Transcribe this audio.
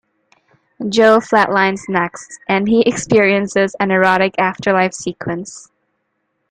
Joe flatlines next, and he experiences an erotic afterlife sequence.